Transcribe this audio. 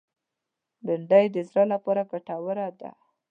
بېنډۍ د زړه لپاره ګټوره ده